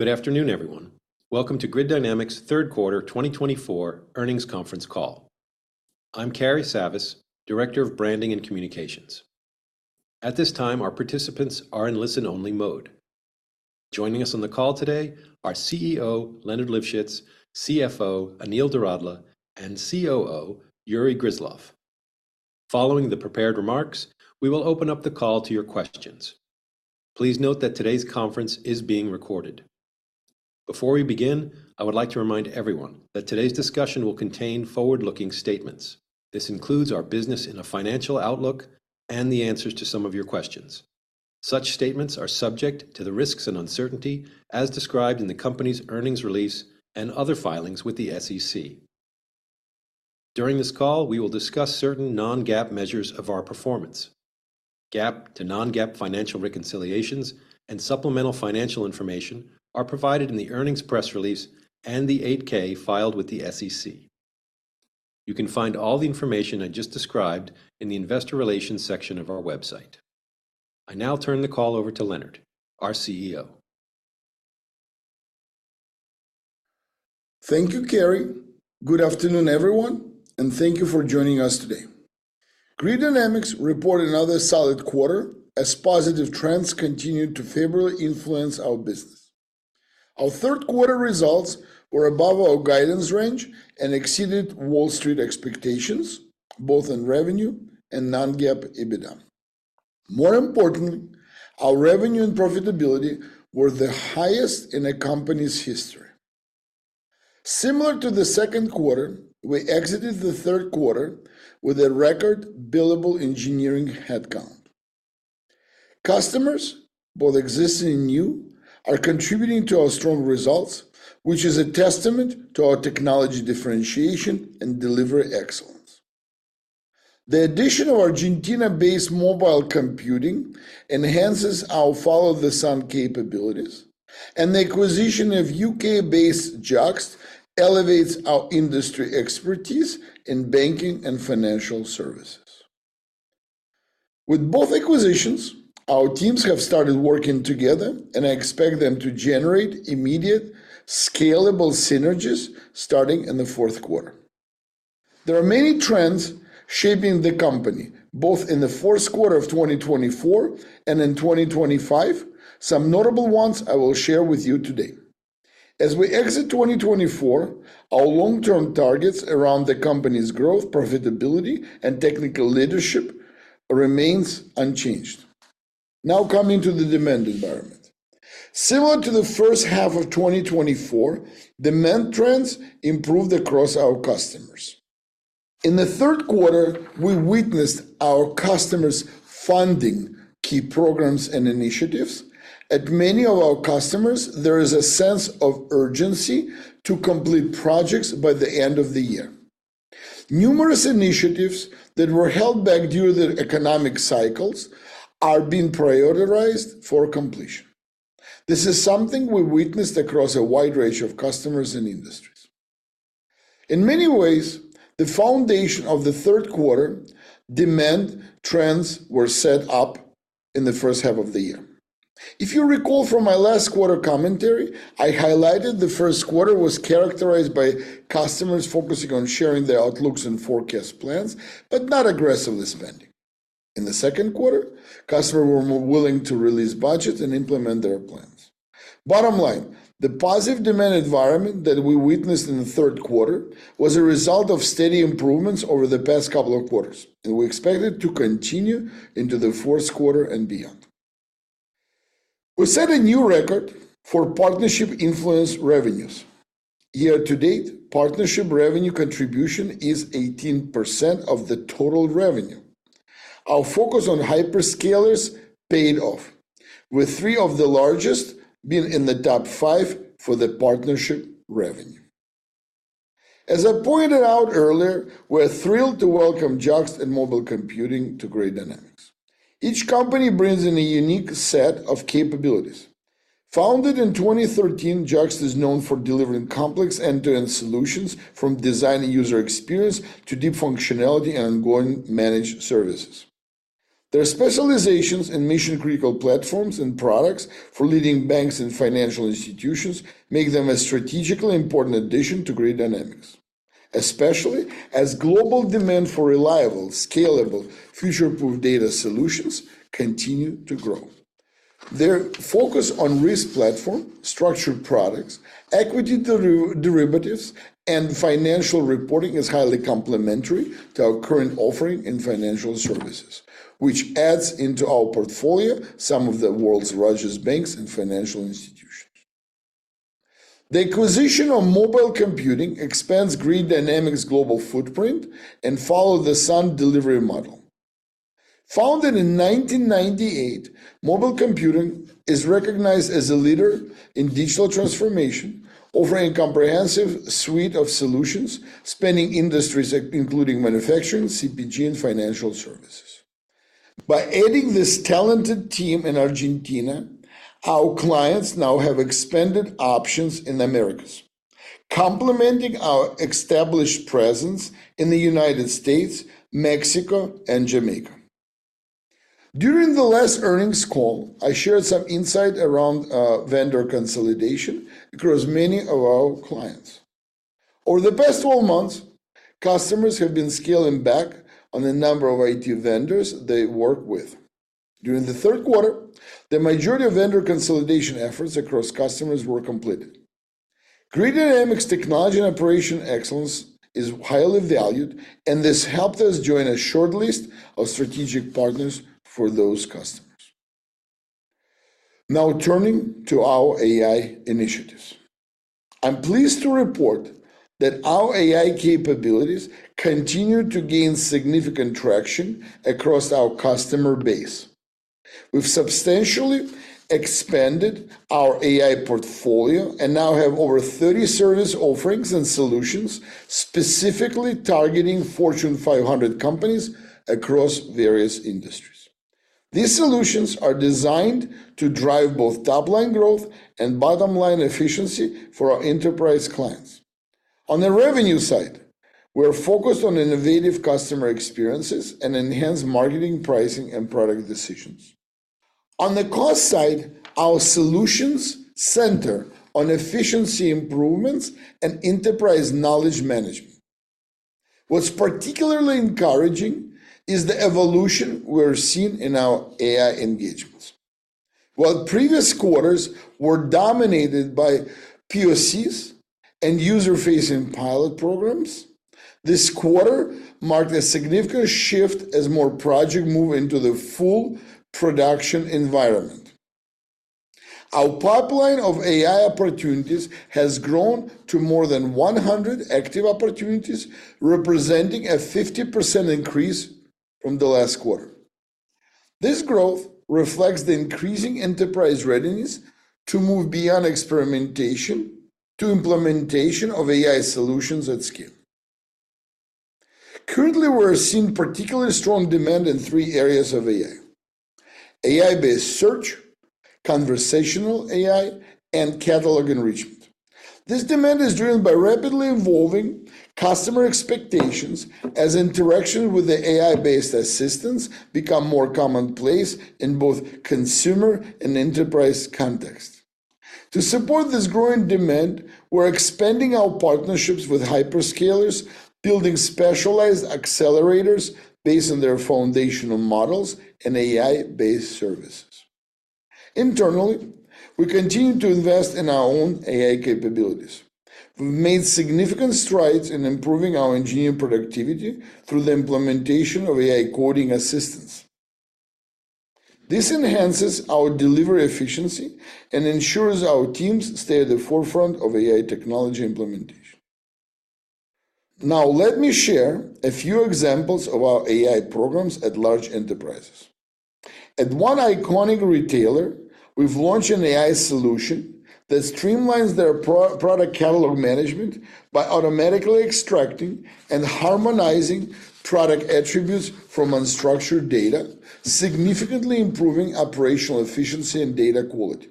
Go od afternoon, everyone. Welcome to Grid Dynamics Q3 2024 earnings conference call. I'm Cary Savas, Director of Branding and Communications. At this time, our participants are in listen-only mode. Joining us on the call today are CEO Leonard Livschitz, CFO Anil Doradla, and COO Yury Gryzlov. Following the prepared remarks, we will open up the call to your questions. Please note that today's conference is being recorded. Before we begin, I would like to remind everyone that today's discussion will contain forward-looking statements. This includes our business and a financial outlook and the answers to some of your questions. Such statements are subject to the risks and uncertainties as described in the company's earnings release and other filings with the SEC. During this call, we will discuss certain non-GAAP measures of our performance. GAAP to non-GAAP financial reconciliations and supplemental financial information are provided in the earnings press release and the 8-K filed with the SEC. You can find all the information I just described in the investor relations section of our website. I now turn the call over to Leonard, our CEO. Thank you, Cary. Good afternoon, everyone, and thank you for joining us today. Grid Dynamics reported another solid quarter as positive trends continued to favorably influence our business. Our Q3 results were above our guidance range and exceeded Wall Street expectations, both in revenue and non-GAAP EBITDA. More importantly, our revenue and profitability were the highest in a company's history. Similar to Q2, we exited Q3 with a record billable engineering headcount. Customers, both existing and new, are contributing to our strong results, which is a testament to our technology differentiation and delivery excellence. The addition of Argentina-based Mobile Computing enhances our follow-the-sun capabilities, and the acquisition of UK-based JUXT elevates our industry expertise in banking and financial services. With both acquisitions, our teams have started working together, and I expect them to generate immediate, scalable synergies starting in Q4. There are many trends shaping the company, both in Q4 2024 and in 2025. Some notable ones I will share with you today. As we exit 2024, our long-term targets around the company's growth, profitability, and technical leadership remain unchanged. Now, coming to the demand environment. Similar to Q1 2024, demand trends improved across our customers. In Q3, we witnessed our customers funding key programs and initiatives. At many of our customers, there is a sense of urgency to complete projects by the end of the year. Numerous initiatives that were held back due to the economic cycles are being prioritized for completion. This is something we witnessed across a wide range of customers and industries. In many ways, the foundation of Q3 demand trends was set up in Q1 of the year. If you recall from my last quarter commentary, I highlighted that Q1 was characterized by customers focusing on sharing their outlooks and forecast plans, but not aggressively spending. In Q2, customers were more willing to release budgets and implement their plans. Bottom line: the positive demand environment that we witnessed in Q3 was a result of steady improvements over the past couple of quarters, and we expect it to continue into Q4 and beyond. We set a new record for partnership-influenced revenues. Year-to-date, partnership revenue contribution is 18% of the total revenue. Our focus on hyperscalers paid off, with three of the largest being in the top five for the partnership revenue. As I pointed out earlier, we are thrilled to welcome JUXT and Mobile Computing to Grid Dynamics. Each company brings in a unique set of capabilities. Founded in 2013, JUXT is known for delivering complex end-to-end solutions, from design and user experience to deep functionality and ongoing managed services. Their specializations in mission-critical platforms and products for leading banks and financial institutions make them a strategically important addition to Grid Dynamics, especially as global demand for reliable, scalable, future-proof data solutions continues to grow. Their focus on risk platform, structured aroducts, equity derivatives, and financial reporting is highly complementary to our current offering in financial services, which adds into our portfolio some of the world's largest banks and financial institutions. The acquisition of Mobile Computing expands Grid Dynamics' global footprint and follow-the-sun delivery model. Founded in 1998, Mobile Computing is recognized as a leader in digital transformation, offering a comprehensive suite of solutions spanning industries including manufacturing, CPG, and financial services. By adding this talented team in Argentina, our clients now have expanded options in the Americas, complementing our established presence in the United States, Mexico, and Jamaica. During the last earnings call, I shared some insight around vendor consolidation across many of our clients. Over the past 12 months, customers have been scaling back on the number of IT vendors they work with. During Q3, the majority of vendor consolidation efforts across customers were completed. Grid Dynamics' technology and operational excellence is highly valued, and this helped us join a shortlist of strategic partners for those customers. Now, turning to our AI initiatives. I'm pleased to report that our AI capabilities continue to gain significant traction across our customer base. We've substantially expanded our AI portfolio and now have over 30 service offerings and solutions specifically targeting Fortune 500 companies across various industries. These solutions are designed to drive both top-line growth and bottom-line efficiency for our enterprise clients. On the revenue side, we are focused on innovative customer experiences and enhanced marketing, pricing, and product decisions. On the cost side, our solutions center on efficiency improvements and enterprise knowledge management. What's particularly encouraging is the evolution we're seeing in our AI engagements. While previous quarters were dominated by POCs and user-facing pilot programs, this quarter marked a significant shift as more projects move into the full production environment. Our pipeline of AI opportunities has grown to more than 100 active opportunities, representing a 50% increase from last quarter. This growth reflects the increasing enterprise readiness to move beyond experimentation to implementation of AI solutions at scale. Currently, we're seeing particularly strong demand in three areas of AI: AI-based search, conversational AI, and catalog enrichment. This demand is driven by rapidly evolving customer expectations as interactions with AI-based assistants become more commonplace in both consumer and enterprise contexts. To support this growing demand, we're expanding our partnerships with hyperscalers, building specialized accelerators based on their foundational models and AI-based services. Internally, we continue to invest in our own AI capabilities. We've made significant strides in improving our engineering productivity through the implementation of AI coding assistants. This enhances our delivery efficiency and ensures our teams stay at the forefront of AI technology implementation. Now, let me share a few examples of our AI programs at large enterprises. At one iconic retailer, we've launched an AI solution that streamlines their product catalog management by automatically extracting and harmonizing product attributes from unstructured data, significantly improving operational efficiency and data quality.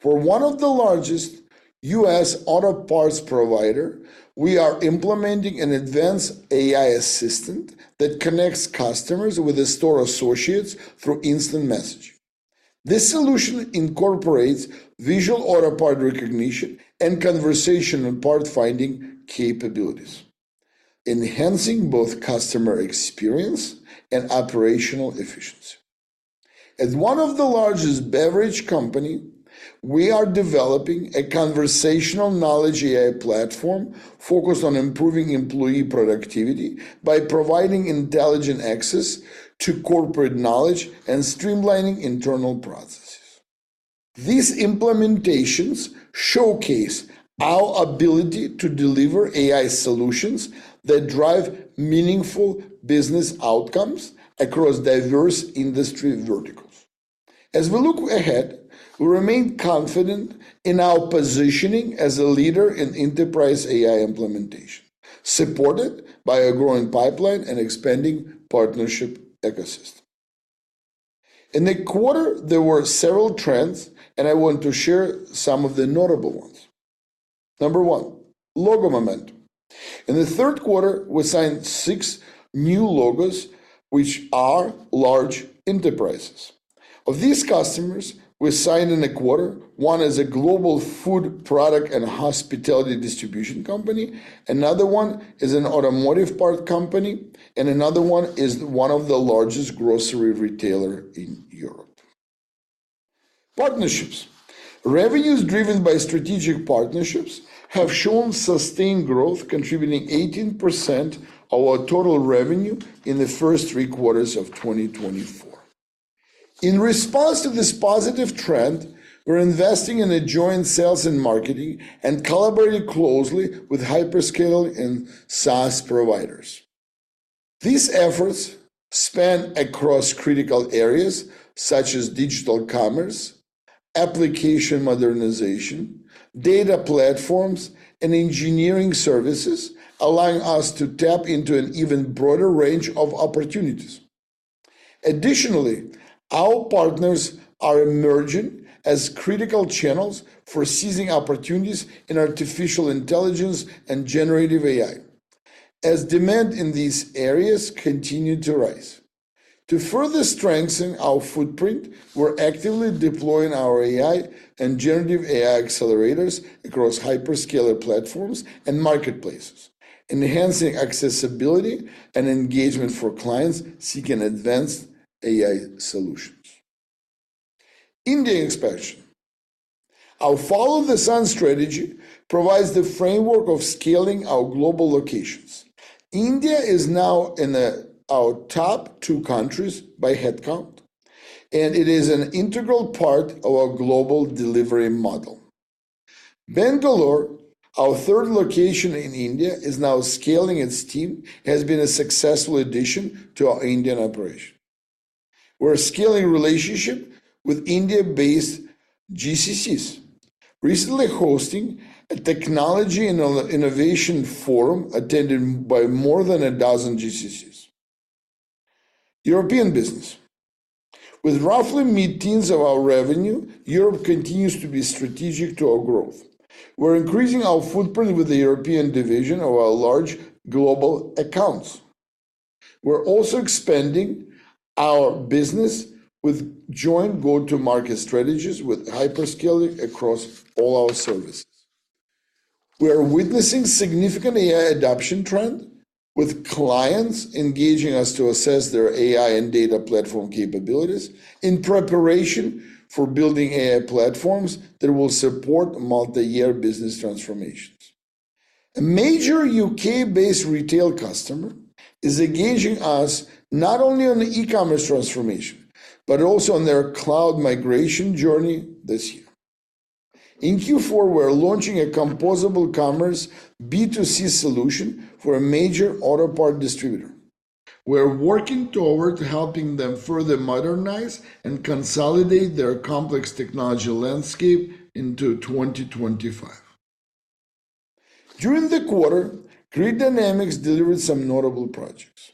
For one of the largest U.S. auto parts providers, we are implementing an advanced AI assistant that connects customers with store associates through instant messaging. This solution incorporates visual auto part recognition and conversational part finding capabilities, enhancing both customer experience and operational efficiency. At one of the largest beverage companies, we are developing a conversational knowledge AI platform focused on improving employee productivity by providing intelligent access to corporate knowledge and streamlining internal processes. These implementations showcase our ability to deliver AI solutions that drive meaningful business outcomes across diverse industry verticals. As we look ahead, we remain confident in our positioning as a leader in enterprise AI implementation, supported by a growing pipeline and expanding partnership ecosystem. In Q4, there were several trends, and I want to share some of the notable ones. Number one: logo momentum. In Q4, we signed six new logos, which are large enterprises. Of global food, product, and hospitality distribution company, another one is an automotive parts company, and another one is one of the largest grocery retailers in Europe. Partnerships. Revenues driven by strategic partnerships have shown sustained growth, contributing 18% of our total revenue in the first three quarters of 2024. In response to this positive trend, we're investing in joint sales and marketing and collaborating closely with hyperscalers and SaaS providers. These efforts span across critical areas such as digital commerce, application modernization, data platforms, and engineering services, allowing us to tap into an even broader range of opportunities. Additionally, our partners are emerging as critical channels for seizing opportunities in artificial intelligence and generative AI, as demand in these areas continues to rise. To further strengthen our footprint, we're actively deploying our AI and generative AI accelerators across hyperscaler platforms and marketplaces, enhancing accessibility and engagement for clients seeking advanced AI solutions. India expansion. Our follow-the-sun strategy provides the framework for scaling our global locations. India is now in our top two countries by headcount, and it is an integral part of our global delivery model. Bengaluru, our third location in India, is now scaling its team, which has been a successful addition to our Indian operation. We're scaling relationships with India-based GCCs, recently hosting a technology and innovation forum attended by more than a dozen GCCs. European business. With roughly mid-teens of our revenue, Europe continues to be strategic to our growth. We're increasing our footprint with the European division of our large global accounts. We're also expanding our business with joint go-to-market strategies with hyperscalers across all our services. We're witnessing a significant AI adoption trend, with clients engaging us to assess their AI and data platform capabilities in preparation for building AI platforms that will support multi-year business transformations. A major UK-based retail customer is engaging us not only on the e-commerce transformation but also on their cloud migration journey this year. In Q4, we're launching a composable commerce B2C solution for a major auto part distributor. We're working toward helping them further modernize and consolidate their complex technology landscape into 2025. During the quarter, Grid Dynamics delivered some notable projects.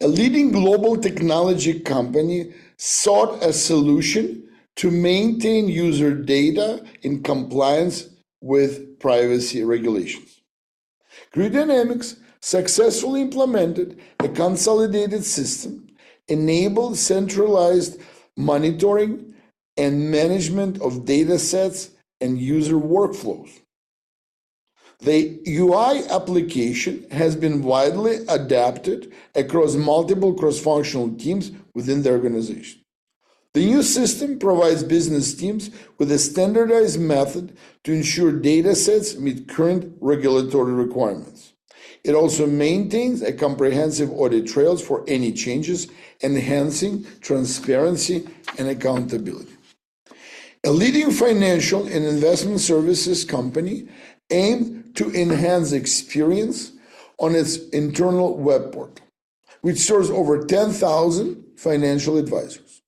A leading global technology company sought a solution to maintain user data in compliance with privacy regulations. Grid Dynamics successfully implemented a consolidated system, enabling centralized monitoring and management of datasets and user workflows. The UI application has been widely adapted across multiple cross-functional teams within the organization. The new system provides business teams with a standardized method to ensure datasets meet current regulatory requirements. It also maintains comprehensive audit trails for any changes, enhancing transparency and accountability. A leading financial and investment services company aimed to enhance experience on its internal web portal, which serves over 10,000 financial advisors.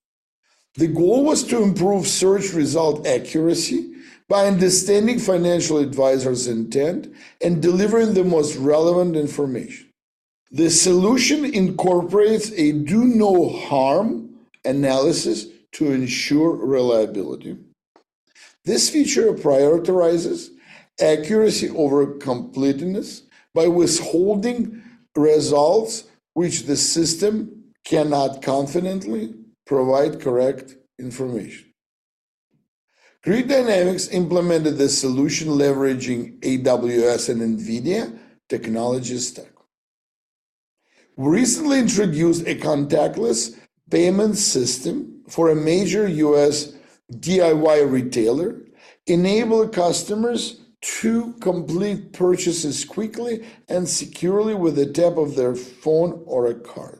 The goal was to improve search result accuracy by understanding financial advisors' intent and delivering the most relevant information. The solution incorporates a Do-no-harm analysis to ensure reliability. This feature prioritizes accuracy over completeness by withholding results which the system cannot confidently provide correct information. Grid Dynamics implemented the solution leveraging AWS and NVIDIA technology stack. We recently introduced a contactless payment system for a major U.S. DIY retailer, enabling customers to complete purchases quickly and securely with a tap of their phone or a card.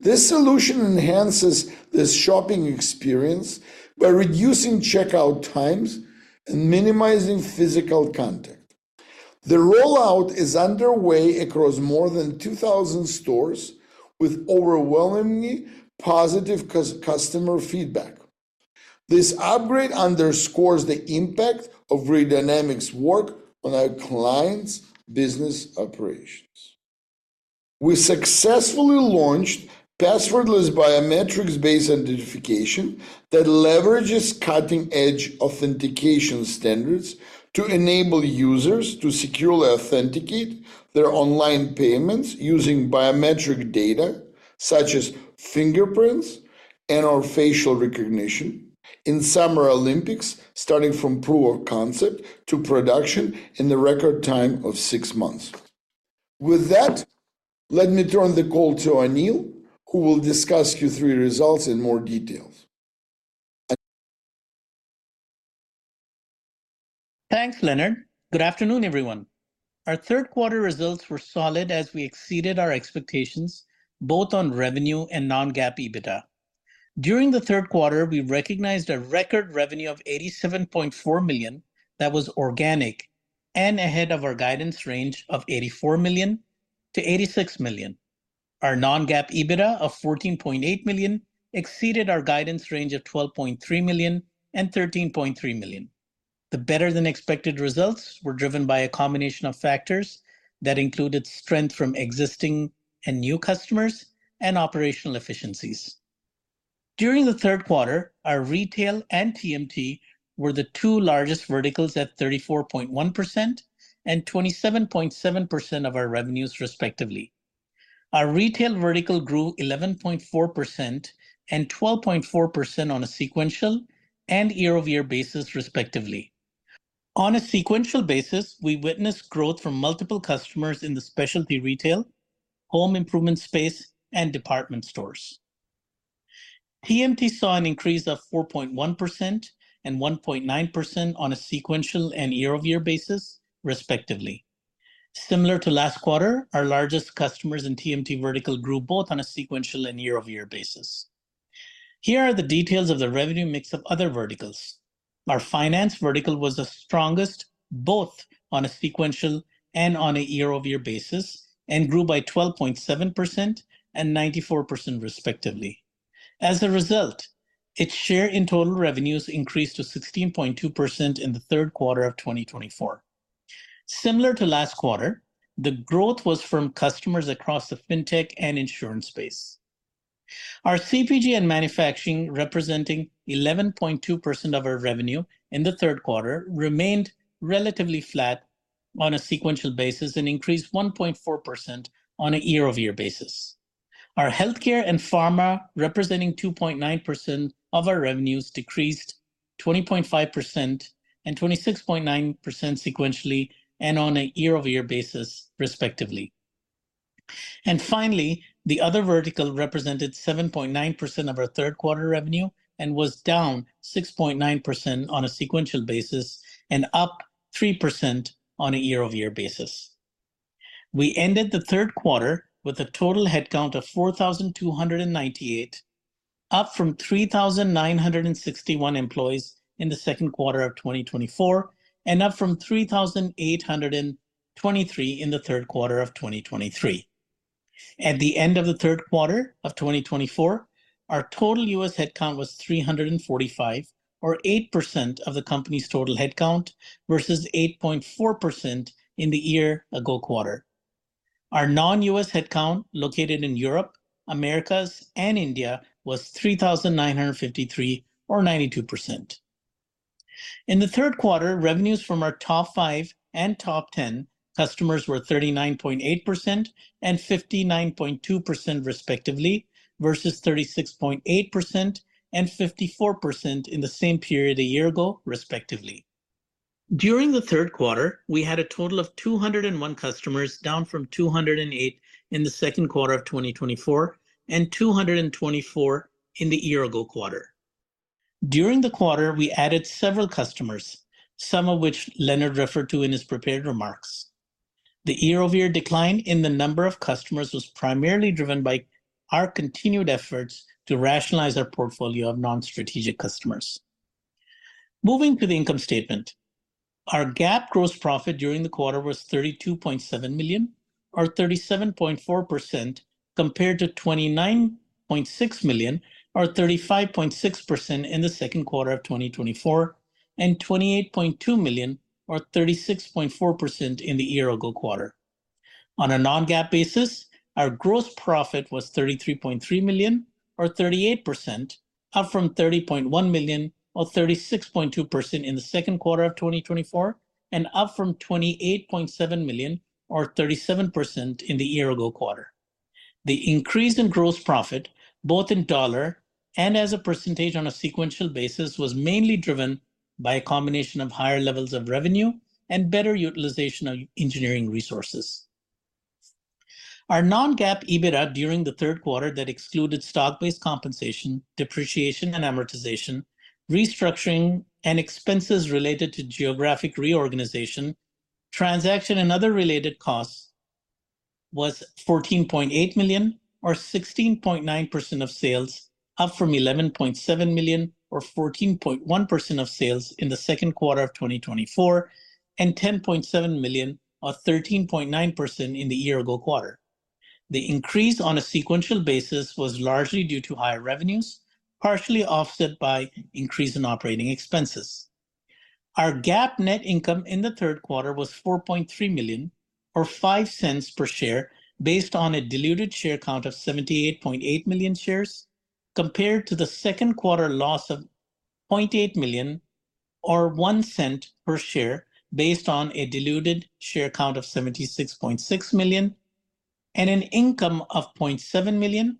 This solution enhances the shopping experience by reducing checkout times and minimizing physical contact. The rollout is underway across more than 2,000 stores, with overwhelmingly positive customer feedback. This upgrade underscores the impact of Grid Dynamics' work on our clients' business operations. We successfully launched passwordless biometrics-based identification that leverages cutting-edge authentication standards to enable users to securely authenticate their online payments using biometric data such as fingerprints and/or facial recognition in Summer Olympics, starting from proof of concept to production in a record time of six months. With that, let me turn the call to Anil, who will discuss Q3 results in more detail. Thanks, Leonard. Good afternoon, everyone. Our Q3 results were solid as we exceeded our expectations, both on revenue and non-GAAP EBITDA. During Q3, we recognized a record revenue of $87.4 million that was organic and ahead of our guidance range of $84 million-$86 million. Our non-GAAP EBITDA of $14.8 million exceeded our guidance range of $12.3 million-$13.3 million. The better-than-expected results were driven by a combination of factors that included strength from existing and new customers and operational efficiencies. During Q3, our retail and TMT were the two largest verticals at 34.1% and 27.7% of our revenues, respectively. Our retail vertical grew 11.4% and 12.4% on a sequential and year-over-year basis, respectively. On a sequential basis, we witnessed growth from multiple customers in the specialty retail, home improvement space, and department stores. TMT saw an increase of 4.1% and 1.9% on a sequential and year-over-year basis, respectively. Similar to last quarter, our largest customers in TMT vertical grew both on a sequential and year-over-year basis. Here are the details of the revenue mix of other verticals. Our finance vertical was the strongest both on a sequential and on a year-over-year basis and grew by 12.7% and 94%, respectively. As a result, its share in total revenues increased to 16.2% in Q3 of 2024. Similar to last quarter, the growth was from customers across the fintech and insurance space. Our CPG and manufacturing, representing 11.2% of our revenue in Q3, remained relatively flat on a sequential basis and increased 1.4% on a year-over-year basis. Our healthcare and pharma, representing 2.9% of our revenues, decreased 20.5% and 26.9% sequentially and on a year-over-year basis, respectively. And finally, the other vertical represented 7.9% of our Q3 revenue and was down 6.9% on a sequential basis and up 3% on a year-over-year basis. We ended Q3 with a total headcount of 4,298, up from 3,961 employees in Q2 of 2024 and up from 3,823 in Q3 of 2023. At the end of Q3 of 2024, our total U.S. headcount was 345, or 8% of the company's total headcount, versus 8.4% in the year-ago quarter. Our non-U.S. headcount, located in Europe, Americas, and India, was 3,953, or 92%. In Q3, revenues from our top five and top ten customers were 39.8% and 59.2%, respectively, versus 36.8% and 54% in the same period a year ago, respectively. During Q3, we had a total of 201 customers, down from 208 in Q2 of 2024 and 224 in the year-ago quarter. During Q3, we added several customers, some of which Leonard referred to in his prepared remarks. The year-over-year decline in the number of customers was primarily driven by our continued efforts to rationalize our portfolio of non-strategic customers. Moving to the income statement, our GAAP gross profit during Q4 was $32.7 million, or 37.4%, compared to $29.6 million, or 35.6% in Q2 of 2024, and $28.2 million, or 36.4% in the year-ago quarter. On a Non-GAAP basis, our gross profit was $33.3 million, or 38%, up from $30.1 million, or 36.2% in Q2 of 2024, and up from $28.7 million, or 37% in the year-ago quarter. The increase in gross profit, both in dollar and as a percentage on a sequential basis, was mainly driven by a combination of higher levels of revenue and better utilization of engineering resources. Our non-GAAP EBITDA during Q3 that excluded stock-based compensation, depreciation and amortization, restructuring, and expenses related to geographic reorganization, transaction, and other related costs was $14.8 million, or 16.9% of sales, up from $11.7 million, or 14.1% of sales, in Q2 of 2024, and $10.7 million, or 13.9%, in the year-ago quarter. The increase on a sequential basis was largely due to higher revenues, partially offset by increase in operating expenses. Our GAAP net income in Q3 was $4.3 million, or $0.05 per share, based on a diluted share count of 78.8 million shares, compared to Q2 loss of $0.8 million, or $0.01 per share, based on a diluted share count of 76.6 million, and an income of $0.7 million,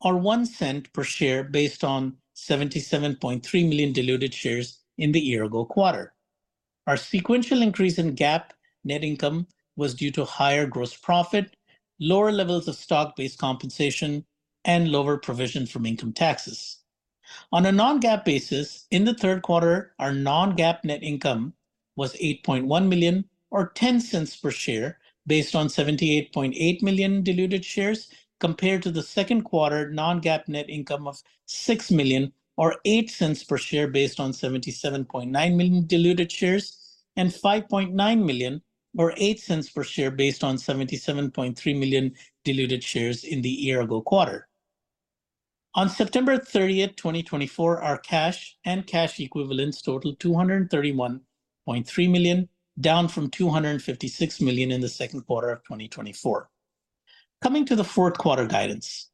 or $0.01 per share, based on 77.3 million diluted shares in the year-ago quarter. Our sequential increase in GAAP net income was due to higher gross profit, lower levels of stock-based compensation, and lower provision from income taxes. On a non-GAAP basis, in Q3, our non-GAAP net income was $8.1 million, or $0.10 per share, based on 78.8 million diluted shares, compared to Q2 non-GAAP net income of $6 million, or $0.08 per share, based on 77.9 million diluted shares, and $5.9 million, or $0.08 per share, based on 77.3 million diluted shares in the year-ago quarter. On September 30, 2024, our cash and cash equivalents totaled $231.3 million, down from $256 million in Q2 of 2024. Coming to Q4 guidance,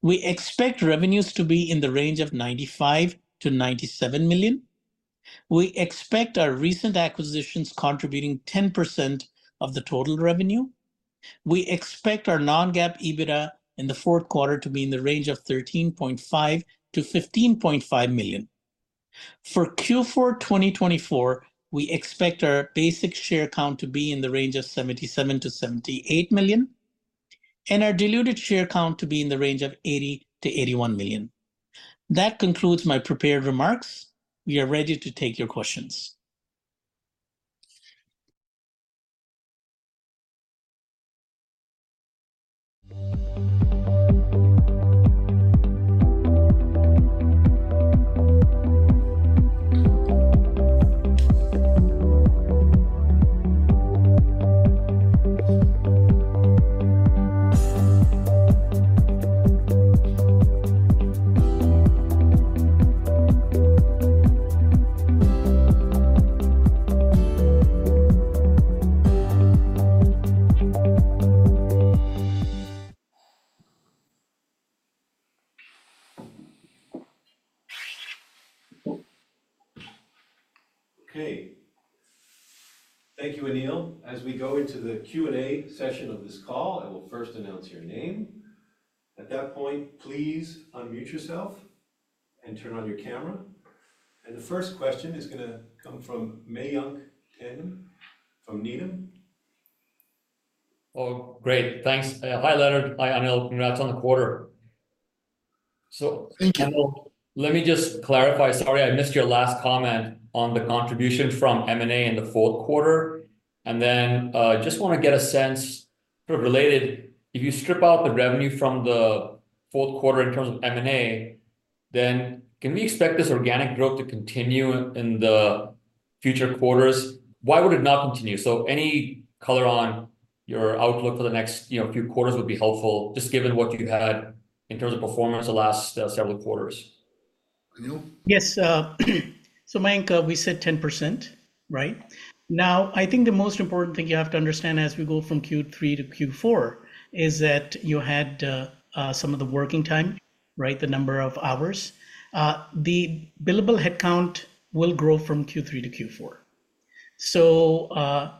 we expect revenues to be in the range of $95 million to $97 million. We expect our recent acquisitions contributing 10% of the total revenue. We expect our non-GAAP EBITDA in Q4 to be in the range of $13.5 million-$15.5 million. For Q4 2024, we expect our basic share count to be in the range of 77-78 million, and our diluted share count to be in the range of 80-81 million. That concludes my prepared remarks. We are ready to take your questions. Okay. Thank you, Anil. As we go into the Q&A session of this call, I will first announce your name. At that point, please unmute yourself and turn on your camera. And the first question is going to come from Mayank Tandon from Needham. Oh, great. Thanks. Hi, Leonard. Hi, Anil. Congrats on the quarter. So, Anil, let me just clarify. Sorry, I missed your last comment on the contribution from M&A in the fourth quarter. And then I just want to get a sense related. If you strip out the revenue from the fourth quarter in terms of M&A, then can we expect this organic growth to continue in the future quarters? Why would it not continue? So any color on your outlook for the next few quarters would be helpful, just given what you've had in terms of performance the last several quarters. Anil? Yes. So, Mayank, we said 10%, right? Now, I think the most important thing you have to understand as we go from Q3 to Q4 is that you had some of the working time, the number of hours. The billable headcount will grow from Q3 to Q4. So,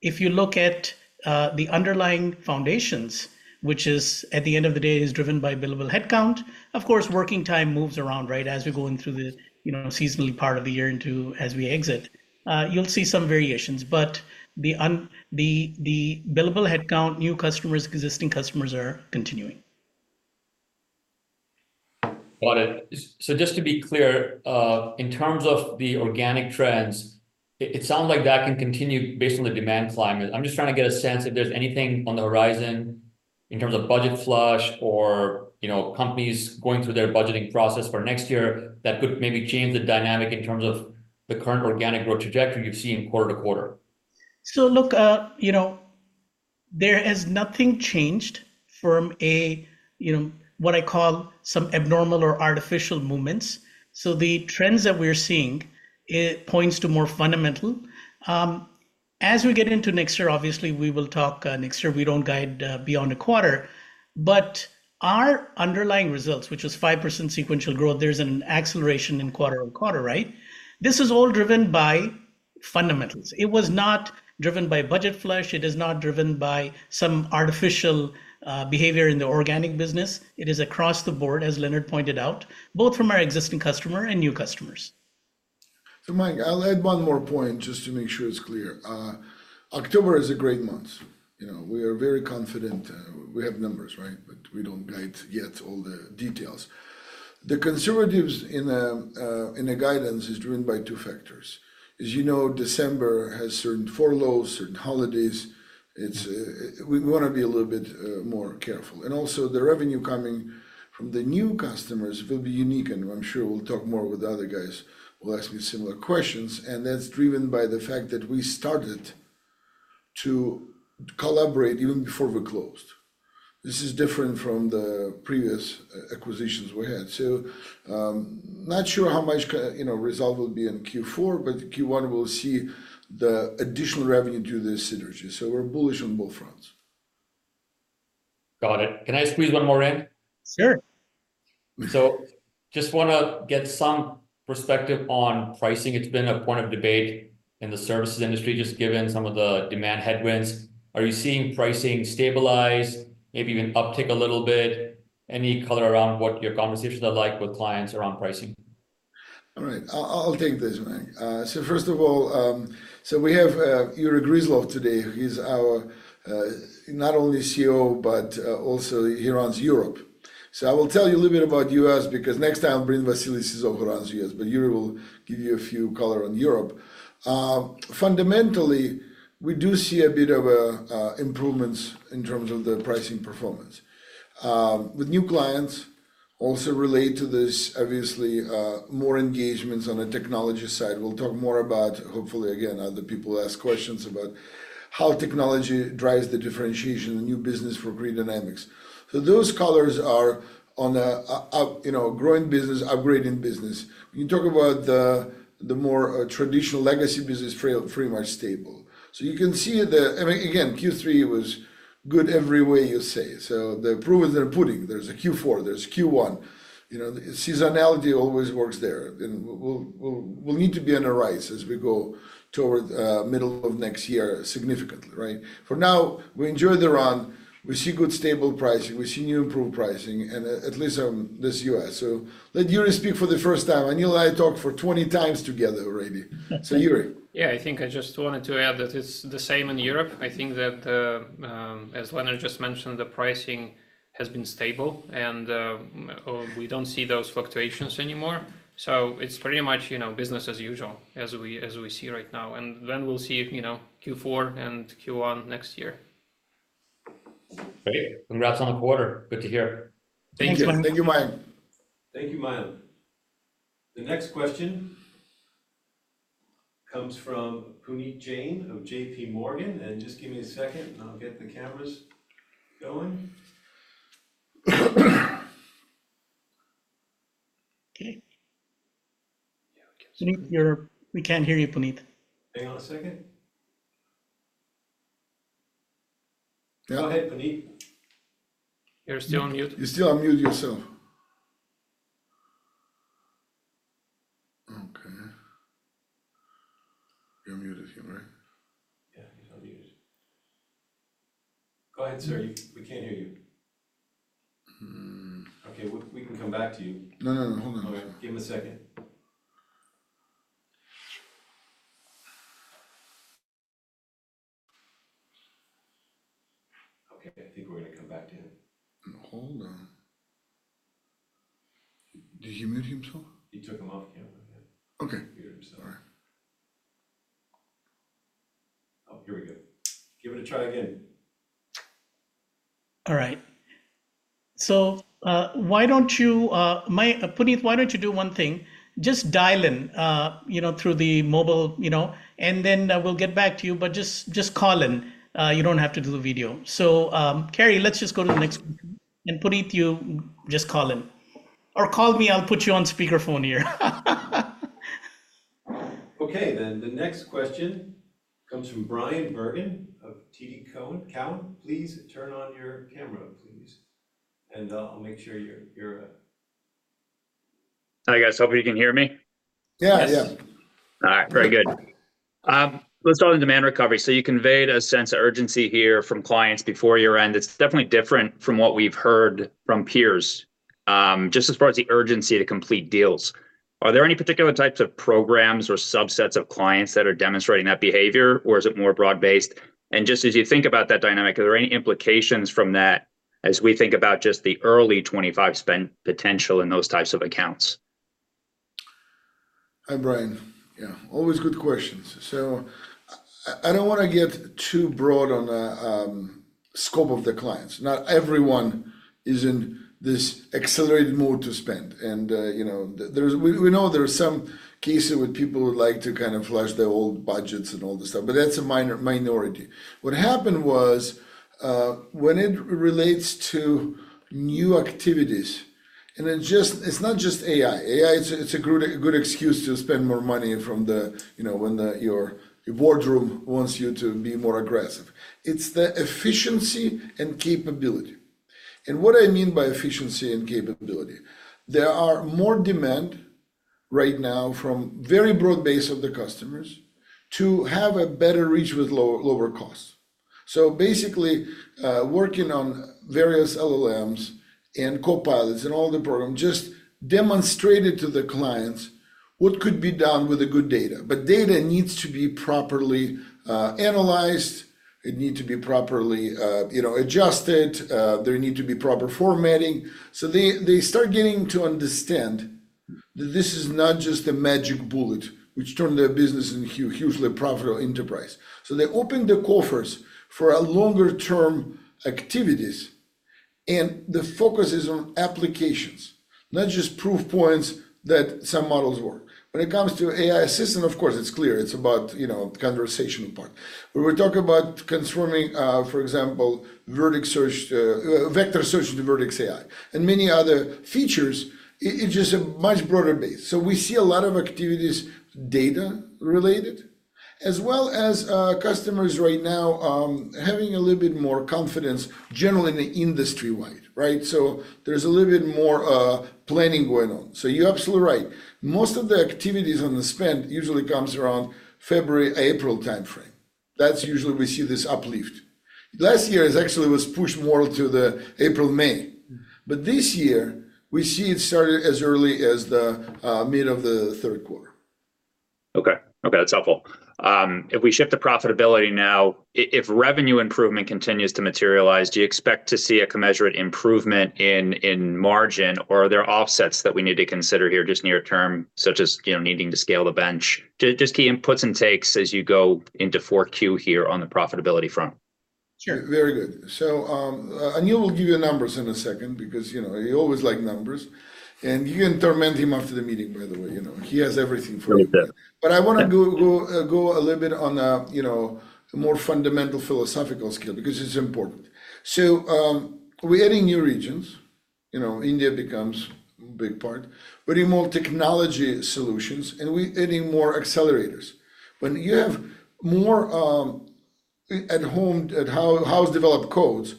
if you look at the underlying foundations, which at the end of the day is driven by billable headcount, of course, working time moves around as we go into the seasonal part of the year as we exit. You'll see some variations. But the billable headcount, new customers, existing customers are continuing. Got it. So, just to be clear, in terms of the organic trends, it sounds like that can continue based on the demand climate. I'm just trying to get a sense if there's anything on the horizon in terms of budget flush or companies going through their budgeting process for next year that could maybe change the dynamic in terms of the current organic growth trajectory you've seen quarter to quarter? So, look, there has nothing changed from what I call some abnormal or artificial movements. So, the trends that we're seeing points to more fundamental. As we get into next year, obviously, we will talk next year. We don't guide beyond a quarter. But our underlying results, which was 5% sequential growth, there's an acceleration in quarter to quarter. This is all driven by fundamentals. It was not driven by budget flush. It is not driven by some artificial behavior in the organic business. It is across the board, as Leonard pointed out, both from our existing customer and new customers. So, Mayank, I'll add one more point just to make sure it's clear. October is a great month. We are very confident. We have numbers, but we don't guide yet all the details. The conservatives in the guidance is driven by two factors. As you know, December has certain furloughs, certain holidays. We want to be a little bit more careful. And also, the revenue coming from the new customers will be unique. And I'm sure we'll talk more with other guys who will ask me similar questions. And that's driven by the fact that we started to collaborate even before we closed. This is different from the previous acquisitions we had. So, not sure how much result will be in Q4, but Q1 we'll see the additional revenue due to this synergy. So, we're bullish on both fronts. Got it. Can I squeeze one more in? Sure. So, just want to get some perspective on pricing. It's been a point of debate in the services industry, just given some of the demand headwinds. Are you seeing pricing stabilize, maybe even uptick a little bit? Any color around what your conversations are like with clients around pricing? All right. I'll take this, Mayank. So, first of all, so we have Yury Gryzlov today, who is not only our COO, but also he runs Europe. So, I will tell you a little bit about the U.S. because next time I'll bring Vasily Sizov who runs the U.S. But Yury will give you some color on Europe. Fundamentally, we do see a bit of improvements in terms of the pricing performance. With new clients, also related to this, obviously, more engagements on the technology side. We'll talk more about, hopefully, again, other people ask questions about how technology drives the differentiation, the new business for Grid Dynamics. Those colors are on a growing business, upgrading business. You talk about the more traditional legacy business, pretty much stable. You can see the, again, Q3 was good every way you say. The proof is in the pudding. There's a Q4, there's Q1. Seasonality always works there. We'll need to be on the rise as we go toward the middle of next year significantly. For now, we enjoyed the run. We see good stable pricing. We see new improved pricing, and at least this U.S. Let Yury speak for the first time. Anil and I talked for 20 times together already. So, Yury. Yeah, I think I just wanted to add that it's the same in Europe. I think that, as Leonard just mentioned, the pricing has been stable, and we don't see those fluctuations anymore. So, it's pretty much business as usual, as we see right now. And then we'll see Q4 and Q1 next year. Great. Congrats on the quarter. Good to hear. Thank you, Mayank. Thank you, Mayank. The next question comes from Puneet Jain of J.P. Morgan. And just give me a second, and I'll get the cameras going. Okay. We can't hear you, Puneet. Hang on a second. Go ahead, Puneet. You're still on mute. You're still on mute yourself. Okay. You're on mute if you want. Yeah, he's on mute. Go ahead, sir. We can't hear you. Okay, we can come back to you. No, no, no. Hold on. Give him a second. Okay, I think we're going to come back to him. Hold on. Did you mute himself? He took him off camera. Okay. Oh, here we go. Give it a try again. All right. So, why don't you, Puneet, why don't you do one thing? Just dial in through the mobile, and then we'll get back to you. But just call in. You don't have to do the video. So, Cary, let's just go to the next question. And Puneet, you just call in. Or call me. I'll put you on speakerphone here. Okay, then the next question comes from Bryan Bergin of TD Cowen. Please turn on your camera, please. And I'll make sure you're Hi, guys. Hope you can hear me. Yeah, yeah. All right. Very good. Let's start with demand recovery. You conveyed a sense of urgency here from clients before year-end. It's definitely different from what we've heard from peers, just as far as the urgency to complete deals. Are there any particular types of programs or subsets of clients that are demonstrating that behavior, or is it more broad-based? And just as you think about that dynamic, are there any implications from that as we think about just the early 2025 spend potential in those types of accounts? Hi, Brian. Yeah, always good questions. I don't want to get too broad on the scope of the clients. Not everyone is in this accelerated mode to spend. And we know there are some cases with people who would like to kind of flush their old budgets and all this stuff. But that's a minority. What happened was, when it relates to new activities, and it's not just AI. AI is a good excuse to spend more money when your war room wants you to be more aggressive. It's the efficiency and capability, and what I mean by efficiency and capability, there are more demand right now from a very broad base of the customers to have a better reach with lower costs, so basically, working on various LLMs and copilots and all the programs just demonstrated to the clients what could be done with good data, but data needs to be properly analyzed. It needs to be properly adjusted. There needs to be proper formatting, so they start getting to understand that this is not just a magic bullet, which turned their business into a hugely profitable enterprise, so they opened the coffers for longer-term activities. And the focus is on applications, not just proof points that some models work. When it comes to AI assistant, of course, it's clear. It's about the conversational part. When we talk about transforming, for example, vector search into Vertex AI and many other features, it's just a much broader base. So, we see a lot of activities data-related, as well as customers right now having a little bit more confidence, generally industry-wide. So, there's a little bit more planning going on. So, you're absolutely right. Most of the activities on the spend usually come around the February-April timeframe. That's usually we see this uplift. Last year, it actually was pushed more to the April-May. But this year, we see it started as early as the mid of the third quarter. Okay. Okay, that's helpful. If we shift to profitability now, if revenue improvement continues to materialize, do you expect to see a commensurate improvement in margin, or are there offsets that we need to consider here just near term, such as needing to scale the bench? Just key inputs and takes as you go into 4Q here on the profitability front. Sure. Very good. So, Anil will give you numbers in a second because he always likes numbers. And you can torment him after the meeting, by the way. He has everything for you. But I want to go a little bit on a more fundamental philosophical scale because it's important. So, we're adding new regions. India becomes a big part. We're doing more technology solutions, and we're adding more accelerators. When you have more in-house developed codes,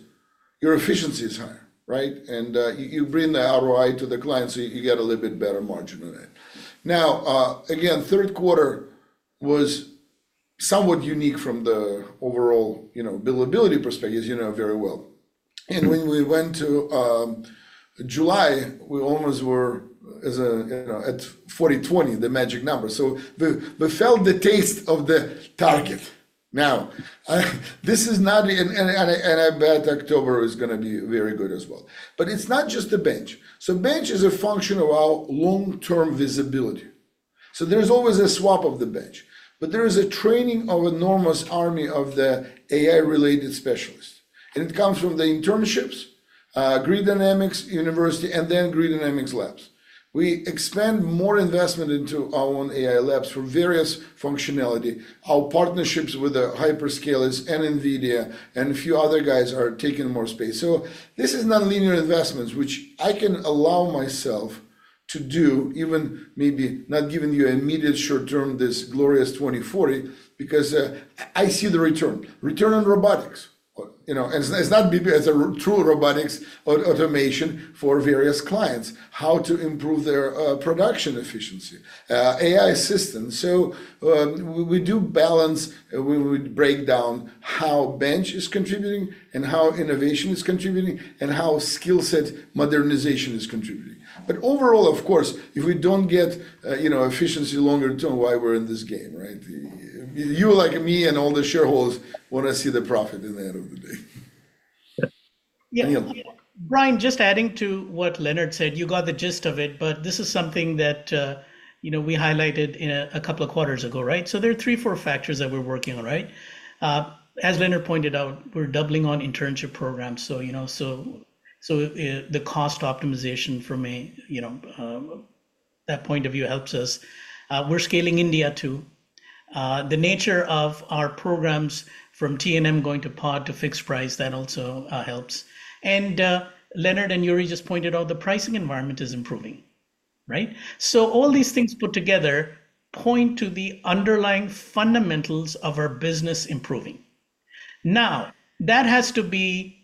your efficiency is higher. And you bring the ROI to the client, so you get a little bit better margin on it. Now, again, third quarter was somewhat unique from the overall billability perspective, as you know very well. And when we went to July, we almost were at 40/20, the magic number. So, we felt the taste of the target. Now, this is not—and I bet October is going to be very good as well. But it's not just the bench. So, bench is a function of our long-term visibility. So, there's always a swap of the bench. But there is a training of an enormous army of the AI-related specialists. And it comes from the internships, Grid Dynamics University, and then Grid Dynamics Labs. We expand more investment into our own AI labs for various functionality. Our partnerships with the hyperscalers and NVIDIA and a few other guys are taking more space. So, this is nonlinear investments, which I can allow myself to do, even maybe not giving you an immediate short-term, this glorious 2040, because I see the return. Return on robotics. It's not maybe as a true robotics automation for various clients, how to improve their production efficiency. AI assistant. So, we do balance. We break down how bench is contributing and how innovation is contributing and how skill set modernization is contributing. But overall, of course, if we don't get efficiency longer term, why we're in this game? You, like me, and all the shareholders want to see the profit at the end of the day. Yeah. Brian, just adding to what Leonard said, you got the gist of it, but this is something that we highlighted a couple of quarters ago. So, there are three, four factors that we're working on. As Leonard pointed out, we're doubling on internship programs, so the cost optimization from that point of view helps us. We're scaling India too. The nature of our programs from TNM going to pod to fixed price, that also helps, and Leonard and Yury just pointed out the pricing environment is improving, so all these things put together point to the underlying fundamentals of our business improving. Now, that has to be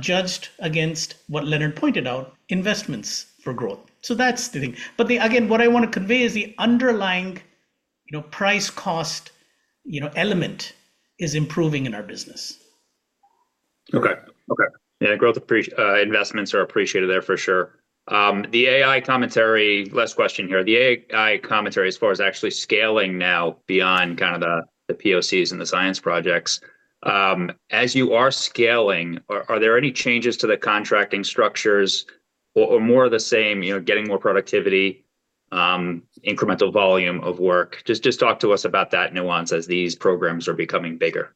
judged against what Leonard pointed out, investments for growth, so that's the thing, but again, what I want to convey is the underlying price-cost element is improving in our business. Okay. Okay. Yeah, growth investments are appreciated there, for sure. The AI commentary, last question here. The AI commentary, as far as actually scaling now beyond kind of the POCs and the science projects. As you are scaling, are there any changes to the contracting structures or more of the same, getting more productivity, incremental volume of work? Just talk to us about that nuance as these programs are becoming bigger.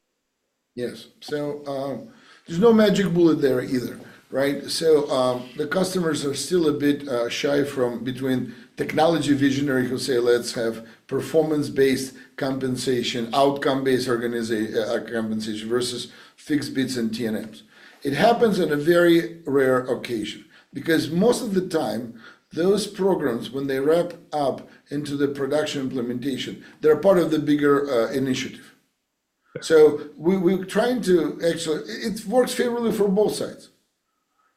Yes. So, there's no magic bullet there either. So, the customers are still a bit shy between technology visionary, who say, "Let's have performance-based compensation, outcome-based compensation versus fixed bids and TNMs." It happens on a very rare occasion because most of the time, those programs, when they wrap up into the production implementation, they're part of the bigger initiative. So, we're trying to actually. It works favorably for both sides.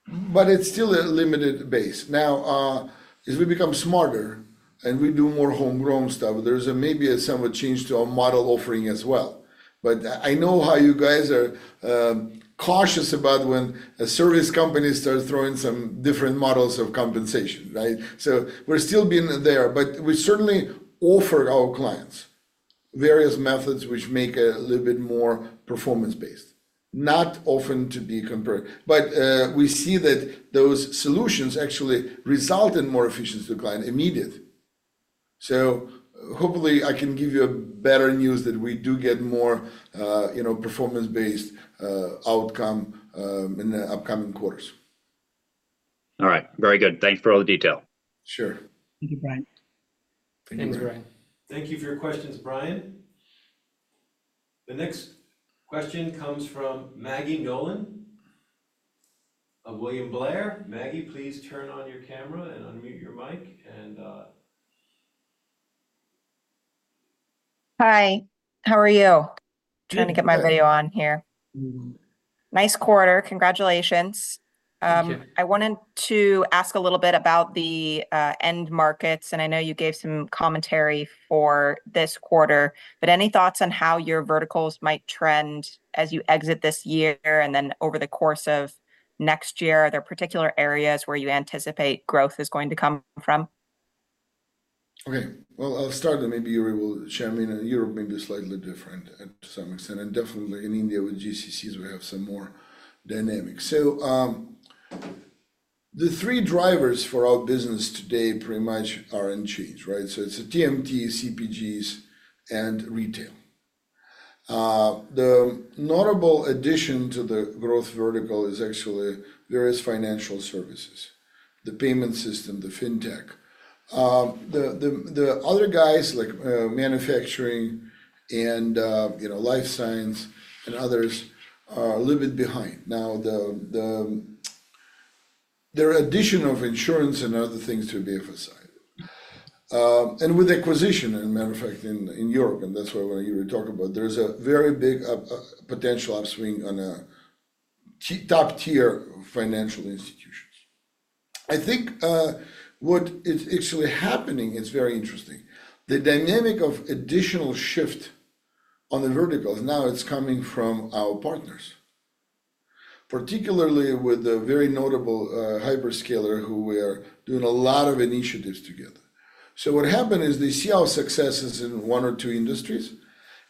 But it's still a limited base. Now, as we become smarter and we do more homegrown stuff, there's maybe some change to our model offering as well. But I know how you guys are cautious about when a service company starts throwing some different models of compensation. So, we're still being there. But we certainly offer our clients various methods which make a little bit more performance-based, not often to be compared. But we see that those solutions actually result in more efficiency to the client immediately. So, hopefully, I can give you better news that we do get more performance-based outcome in the upcoming quarters. All right. Very good. Thanks for all the detail. Sure. Thank you, Brian. Thank you. Thanks, Brian. Thank you for your questions, Brian. The next question comes from Maggie Nolan of William Blair. Maggie, please turn on your camera and unmute your mic. Hi. How are you? Trying to get my video on here. Nice quarter. Congratulations. Thank you. I wanted to ask a little bit about the end markets. And I know you gave some commentary for this quarter. But any thoughts on how your verticals might trend as you exit this year and then over the course of next year? Are there particular areas where you anticipate growth is going to come from? Okay. Well, I'll start. And maybe you will share. I mean, Europe may be slightly different to some extent. And definitely, in India with GCCs, we have some more dynamics. So, the three drivers for our business today pretty much are in change. So, it's TMT, CPGs, and retail. The notable addition to the growth vertical is actually various financial services, the payment system, the fintech. The other guys, like manufacturing and life science and others, are a little bit behind. Now, there are additions of insurance and other things to be emphasized. And with acquisition, as a matter of fact, in Europe, and that's what you were talking about, there's a very big potential upswing on top-tier financial institutions. I think what is actually happening is very interesting. The dynamic of additional shift on the verticals, now it's coming from our partners, particularly with the very notable hyperscaler who we are doing a lot of initiatives together. So, what happened is they see our successes in one or two industries,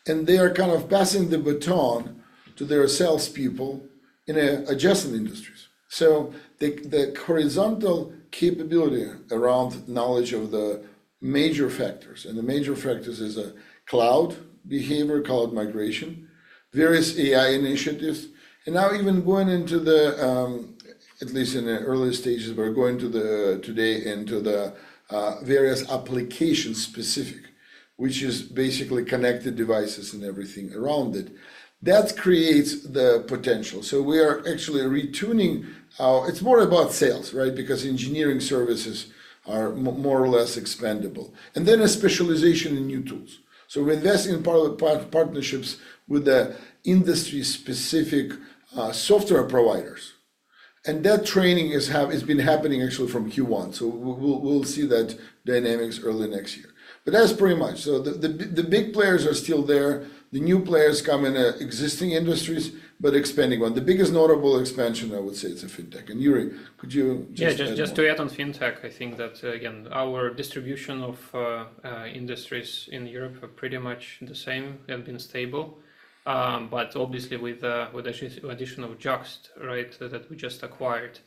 and they are kind of passing the baton to their salespeople in adjacent industries. So, the horizontal capability around knowledge of the major factors. And the major factors are cloud behavior, cloud migration, various AI initiatives. And now, even going into the, at least in the early stages, we're going today into the various application-specific, which is basically connected devices and everything around it. That creates the potential. We are actually retuning our. It's more about sales because engineering services are more or less expendable. And then a specialization in new tools. We invest in partnerships with the industry-specific software providers. And that training has been happening actually from Q1. We'll see that dynamics early next year. But that's pretty much. The big players are still there. The new players come in existing industries, but expanding one. The biggest notable expansion, I would say, is the fintech. And Yury, could you just. Yeah, just to add on fintech, I think that, again, our distribution of industries in Europe are pretty much the same. They have been stable. But obviously, with the addition of JUXT that we just acquired,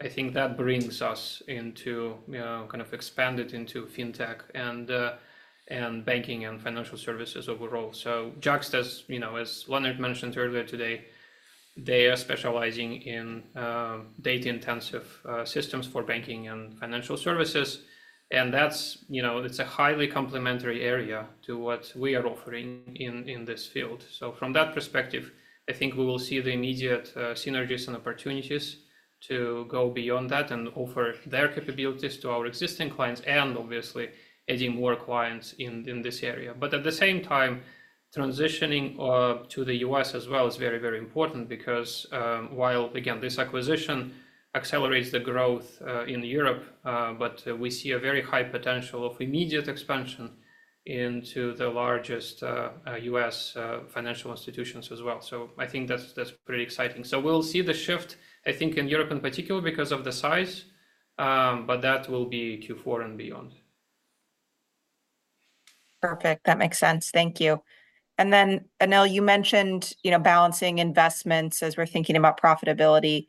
I think that brings us into kind of expanded into fintech and banking and financial services overall. JUXT, as Leonard mentioned earlier today, they are specializing in data-intensive systems for banking and financial services. And it's a highly complementary area to what we are offering in this field. So, from that perspective, I think we will see the immediate synergies and opportunities to go beyond that and offer their capabilities to our existing clients and, obviously, adding more clients in this area. But at the same time, transitioning to the U.S. as well is very, very important because, while again, this acquisition accelerates the growth in Europe, but we see a very high potential of immediate expansion into the largest U.S. financial institutions as well. So, I think that's pretty exciting. So, we'll see the shift, I think, in Europe in particular because of the size. But that will be Q4 and beyond. Perfect. That makes sense. Thank you. And then, Anil, you mentioned balancing investments as we're thinking about profitability.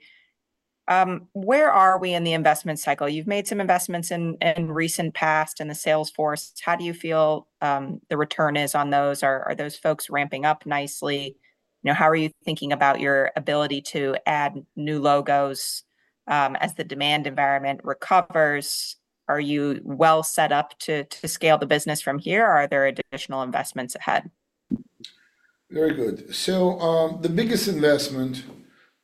Where are we in the investment cycle? You've made some investments in the recent past in Salesforce. How do you feel the return is on those? Are those folks ramping up nicely? How are you thinking about your ability to add new logos as the demand environment recovers? Are you well set up to scale the business from here? Are there additional investments ahead? Very good. The biggest investment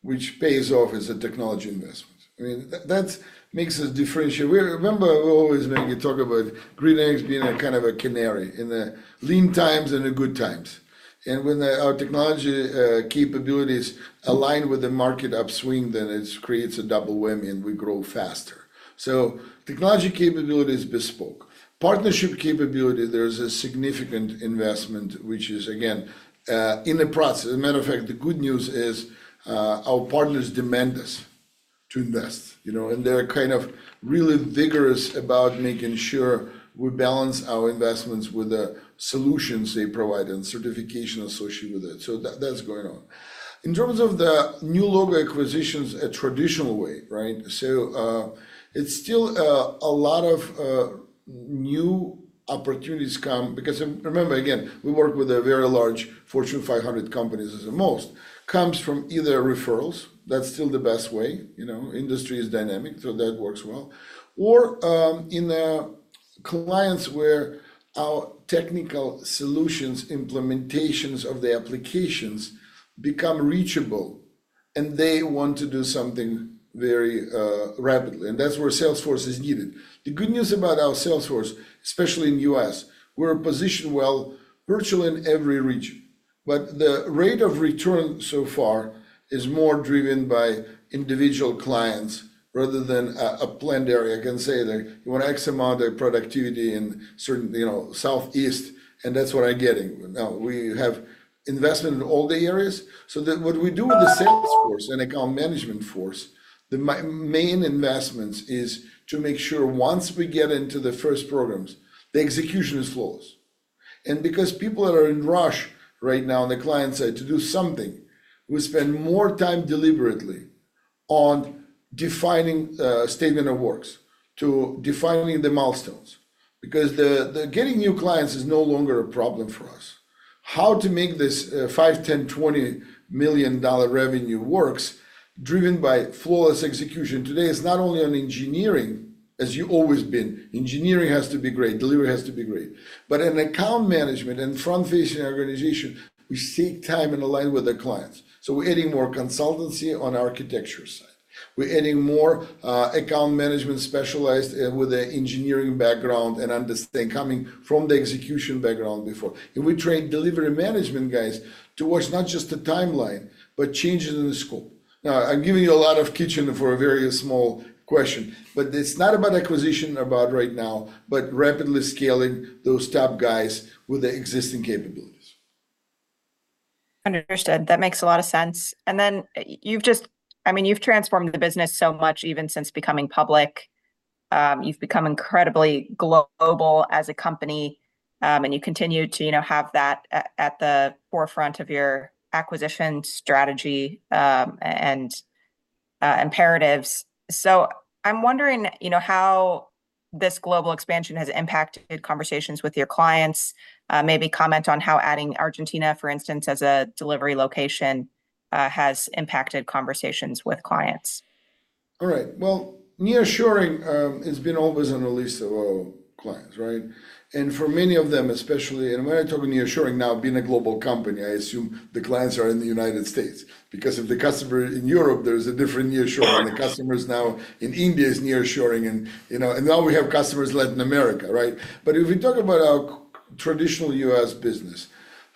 which pays off is a technology investment. I mean, that makes us differentiate. Remember, we always talk about Grid Dynamics being kind of a canary in the lean times and the good times. When our technology capabilities align with the market upswing, then it creates a double whammy and we grow faster. Technology capability is bespoke. Partnership capability, there's a significant investment which is, again, in the process. As a matter of fact, the good news is our partners demand us to invest, and they're kind of really vigorous about making sure we balance our investments with the solutions they provide and certification associated with it, so that's going on. In terms of the new logo acquisitions a traditional way, so it's still a lot of new opportunities come because remember, again, we work with a very large Fortune 500 companies at the most. It comes from either referrals. That's still the best way. Industry is dynamic, so that works well, or in clients where our technical solutions, implementations of the applications become reachable, and they want to do something very rapidly, and that's where Salesforce is needed. The good news about our Salesforce, especially in the U.S., we're positioned well virtually in every region. But the rate of return so far is more driven by individual clients rather than a planned area. I can say that you want X amount of productivity in certain Southeast, and that's what I'm getting. Now, we have investment in all the areas. So, what we do with the sales force and account management force, the main investments is to make sure once we get into the first programs, the execution is flawless. And because people are in rush right now on the client side to do something, we spend more time deliberately on defining statement of works to defining the milestones because getting new clients is no longer a problem for us. How to make this $5 million, $10 million, $20 million revenue works driven by flawless execution today is not only on engineering, as you've always been. Engineering has to be great. Delivery has to be great. But in account management and front-facing organization, we seek time and align with the clients. So, we're adding more consultancy on architecture side. We're adding more account management specialized with an engineering background and understanding coming from the execution background before. And we train delivery management guys to watch not just the timeline, but changes in the scope. Now, I'm giving you a lot of kitchen for a very small question. But it's not about acquisition right now, but rapidly scaling those top guys with the existing capabilities. Understood. That makes a lot of sense. And then, I mean, you've transformed the business so much even since becoming public. You've become incredibly global as a company. And you continue to have that at the forefront of your acquisition strategy and imperatives. So, I'm wondering how this global expansion has impacted conversations with your clients. Maybe comment on how adding Argentina, for instance, as a delivery location has impacted conversations with clients? All right, well, nearshoring has been always on the list of our clients, and for many of them, especially, and when I talk nearshoring now, being a global company, I assume the clients are in the United States because if the customer is in Europe, there's a different nearshoring. The customer is now in India's nearshoring, and now we have customers Latin America, but if we talk about our traditional U.S. business,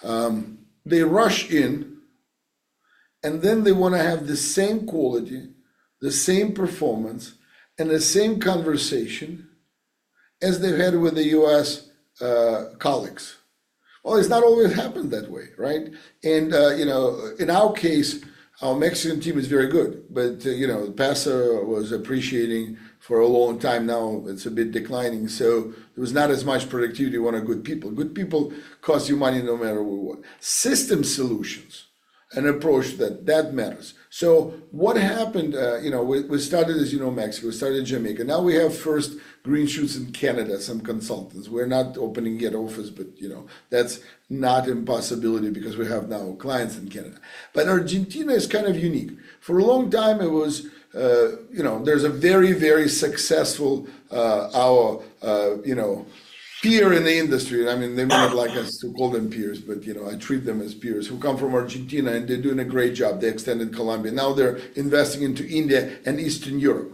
they rush in, and then they want to have the same quality, the same performance, and the same conversation as they've had with the U.S. colleagues, well, it's not always happened that way, and in our case, our Mexican team is very good, but peso was appreciating for a long time now. It's a bit declining. So, it was not as much productivity on good people. Good people cost you money no matter what. System solutions, an approach that matters. So, what happened? We started, as you know, in Mexico. We started in Jamaica. Now, we have first green shoots in Canada, some consultants. We're not opening an office yet, but that's not an impossibility because we have now clients in Canada. But Argentina is kind of unique. For a long time, there was a very, very successful peer in the industry. I mean, they wouldn't like us to call them peers, but I treat them as peers who come from Argentina, and they're doing a great job. They extended to Colombia. Now, they're investing into India and Eastern Europe,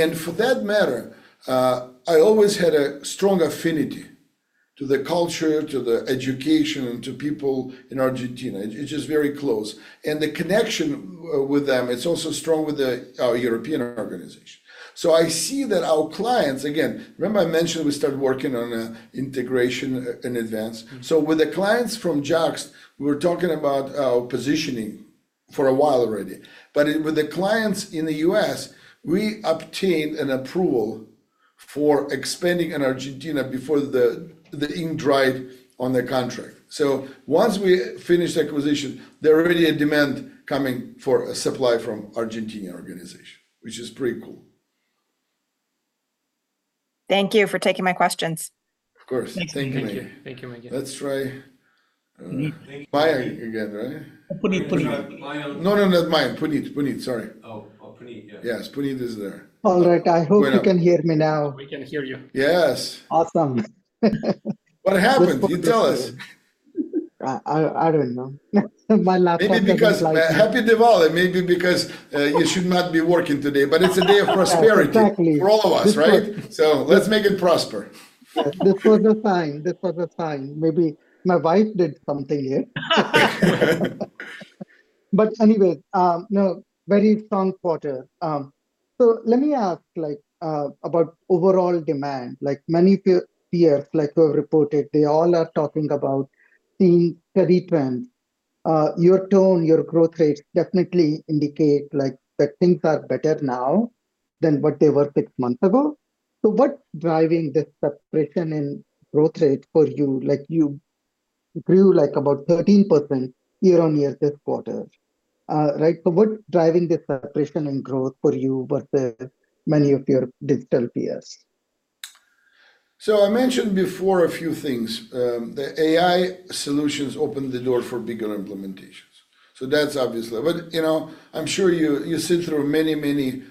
and for that matter, I always had a strong affinity to the culture, to the education, and to people in Argentina. It's just very close. And the connection with them, it's also strong with our European organization. So, I see that our clients, again, remember I mentioned we started working on integration in advance. So, with the clients from JUXT, we were talking about our positioning for a while already. But with the clients in the US, we obtained an approval for expanding in Argentina before the end date on the contract. So, once we finished acquisition, there already is demand coming for a supply from Argentina organization, which is pretty cool. Thank you for taking my questions. Of course. Thank you, Mayank. Thank you, Mayank. Let's try Mayank again, right? Puneet, Puneet. No, no, not Mayank. Puneet, Puneet. Sorry. Oh, Puneet, yeah. Yes, Puneet is there. All right. I hope you can hear me now. We can hear you. Yes. Awesome. What happened? You tell us. I don't know. My laptop is slightly. Maybe because happy Diwali and maybe because you should not be working today, but it's a day of prosperity for all of us, right, so let's make it prosper. This was a sign. This was a sign. Maybe my wife did something here, but anyways, no, very strong quarter, so let me ask about overall demand. Many peers who have reported, they all are talking about seeing steady trends. Your tone, your growth rates definitely indicate that things are better now than what they were six months ago, so what's driving this suppression in growth rate for you? You grew about 13% year-on-year this quarter, so what's driving this suppression in growth for you versus many of your digital peers? So, I mentioned before a few things. The AI solutions opened the door for bigger implementations, so that's obviously. But I'm sure you sit through many, many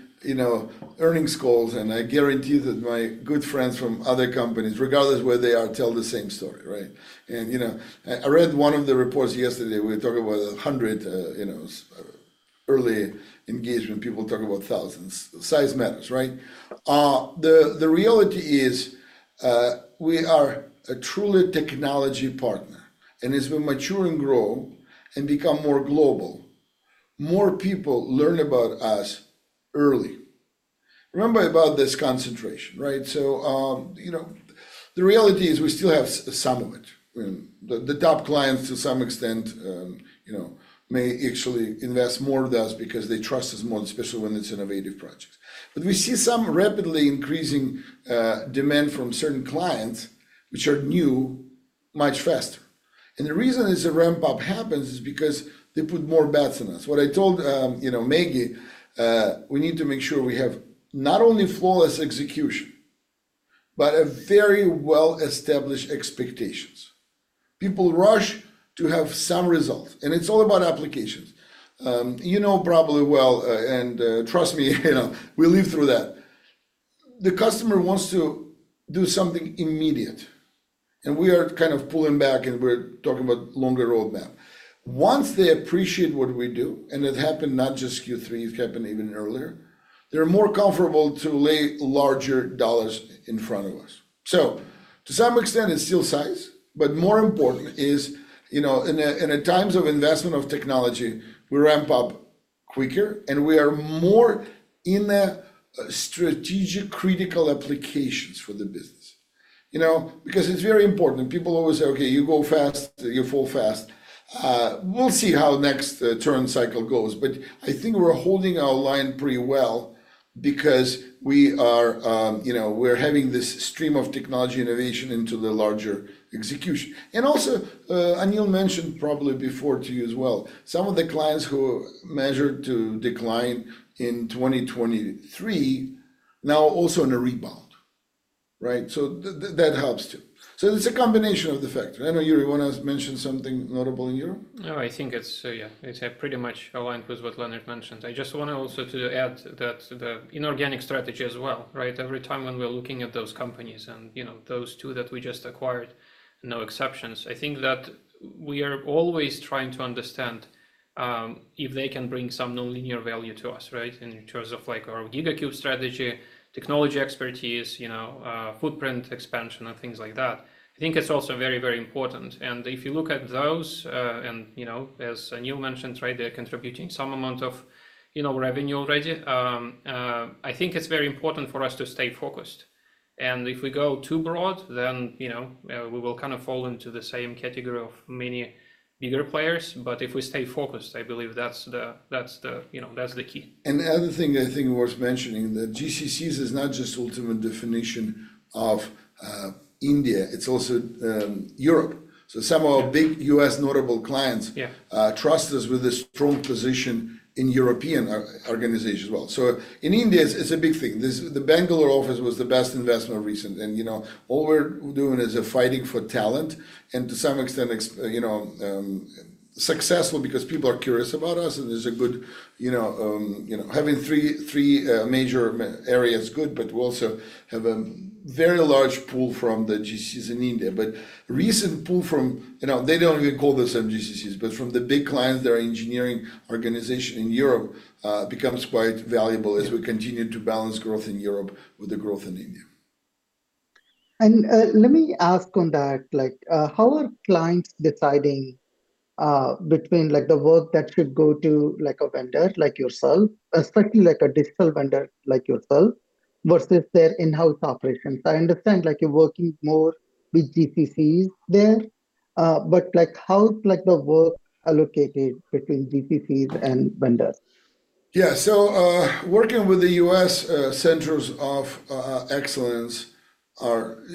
earnings calls, and I guarantee that my good friends from other companies, regardless where they are, tell the same story. And I read one of the reports yesterday. We were talking about 100 early engagement. People talk about thousands. Size matters, right? The reality is we are a truly technology partner. And as we mature and grow and become more global, more people learn about us early. Remember about this concentration, right? So, the reality is we still have some of it. The top clients, to some extent, may actually invest more with us because they trust us more, especially when it's innovative projects. But we see some rapidly increasing demand from certain clients, which are new, much faster. And the reason this ramp-up happens is because they put more bets on us. What I told Mayank, we need to make sure we have not only flawless execution, but very well-established expectations. People rush to have some results. And it's all about applications. You know probably well, and trust me, we live through that. The customer wants to do something immediate. And we are kind of pulling back, and we're talking about a longer roadmap. Once they appreciate what we do, and it happened not just Q3. It happened even earlier. They're more comfortable to lay larger dollars in front of us. So, to some extent, it's still size. But more important is, in times of investment of technology, we ramp up quicker, and we are more in the strategic critical applications for the business. Because it's very important. People always say, "Okay, you go fast, you fall fast." We'll see how next turn cycle goes. But I think we're holding our line pretty well because we're having this stream of technology innovation into the larger execution. And also, Anil mentioned probably before to you as well, some of the clients who measured to decline in 2023, now also in a rebound. So, that helps too. So, it's a combination of the factors. I know, Yury, you want to mention something notable in Europe? No, I think it's pretty much aligned with what Leonard mentioned. I just want to also add that the inorganic strategy as well. Every time when we're looking at those companies and those two that we just acquired, no exceptions, I think that we are always trying to understand if they can bring some nonlinear value to us in terms of our GigaCube strategy, technology expertise, footprint expansion, and things like that. I think it's also very, very important. And if you look at those, and as Anil mentioned, they're contributing some amount of revenue already. I think it's very important for us to stay focused. And if we go too broad, then we will kind of fall into the same category of many bigger players. But if we stay focused, I believe that's the key. And the other thing I think worth mentioning, the GCCs is not just ultimate definition of India. It's also Europe. So, some of our big U.S. notable clients trust us with a strong position in European organizations as well. So, in India, it's a big thing. The Bengaluru office was the best investment recently. And all we're doing is fighting for talent and, to some extent, successful because people are curious about us. There's a good talent pool having three major areas, but we also have a very large pool from the GCCs in India. But there's a recent pool from the centers they don't even call themselves GCCs, but from the big clients' engineering organization in Europe, which becomes quite valuable as we continue to balance growth in Europe with the growth in India. Let me ask on that. How are clients deciding between the work that should go to a vendor like yourself, especially a digital vendor like yourself, versus their in-house operations? I understand you're working more with GCCs there. But how's the work allocated between GCCs and vendors? Yeah. So, working with the US centers of excellence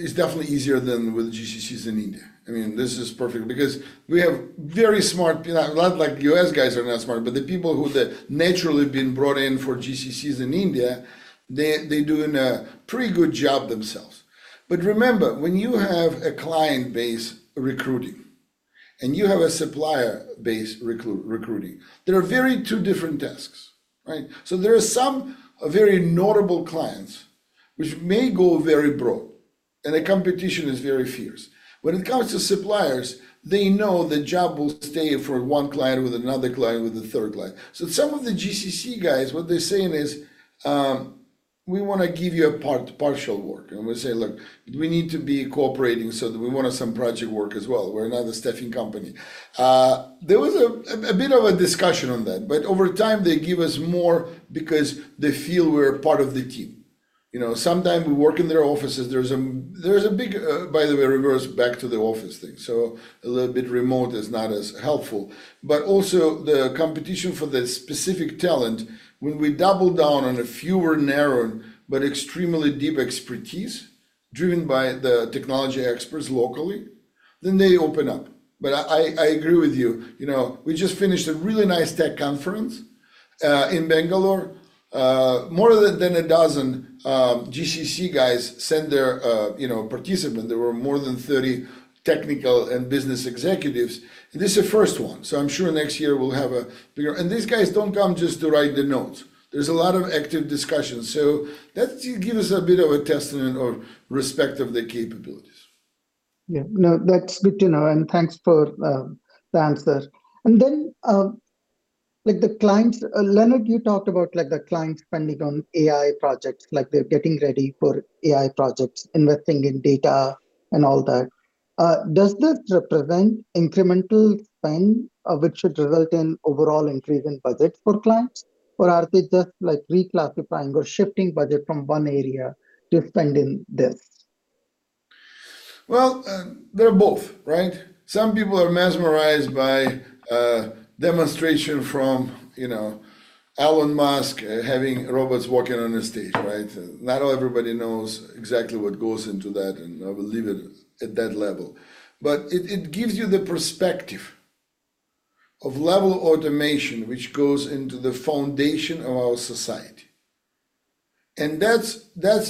is definitely easier than with GCCs in India. I mean, this is perfect because we have very smart not like U.S. guys are not smart, but the people who have naturally been brought in for GCCs in India, they're doing a pretty good job themselves. But remember, when you have a client base recruiting and you have a supplier base recruiting, there are very two different tasks. So, there are some very notable clients which may go very broad, and the competition is very fierce. When it comes to suppliers, they know the job will stay for one client with another client with a third client. So, some of the GCC guys, what they're saying is, "We want to give you a partial work." And we say, "Look, we need to be cooperating so that we want some project work as well. We're another staffing company." There was a bit of a discussion on that. But over time, they give us more because they feel we're part of the team. Sometimes we work in their offices. There's a big, by the way, reverse back to the office thing. So, a little bit remote is not as helpful. But also, the competition for the specific talent, when we double down on a fewer narrow but extremely deep expertise driven by the technology experts locally, then they open up. But I agree with you. We just finished a really nice tech conference in Bengaluru. More than a dozen GCC guys sent their participants. There were more than 30 technical and business executives. And this is the first one. So, I'm sure next year we'll have a bigger. And these guys don't come just to write the notes. There's a lot of active discussion. So, that gives us a bit of a testament of respect of the capabilities. Yeah. No, that's good to know. And thanks for the answer. And then the clients, Leonard, you talked about the clients spending on AI projects. They're getting ready for AI projects, investing in data and all that. Does this represent incremental spend which should result in overall increase in budgets for clients? Or are they just reclassifying or shifting budget from one area to spend in this? Well, they're both, right? Some people are mesmerized by a demonstration from Elon Musk having robots walking on the stage, right? Not everybody knows exactly what goes into that, and I will leave it at that level. But it gives you the perspective of level automation, which goes into the foundation of our society. And that's